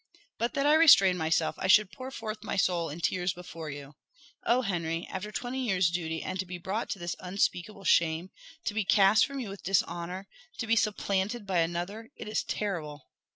But that I restrain myself, I should pour forth my soul in tears before you. Oh, Henry, after twenty years' duty and to be brought to this unspeakable shame to be cast from you with dishonour to be supplanted by another it is terrible!"